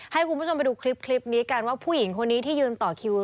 ให้คุณผู้ชมไปดูคลิปนี้กันว่าผู้หญิงคนนี้ที่ยืนต่อคิว